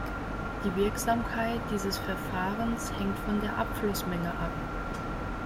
Die Wirksamkeit dieses Verfahrens hängt von der Abflussmenge ab.